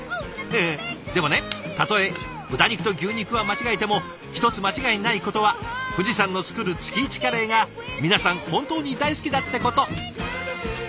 でもねたとえ豚肉と牛肉は間違えても一つ間違いないことは藤さんの作る月イチカレーが皆さん本当に大好きだってこと。